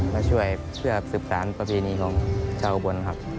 มาช่วยเพื่อสืบสารประเพณีของชาวอุบลครับ